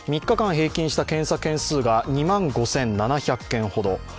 ３日間平均した検査件数が２万５７００件ほど。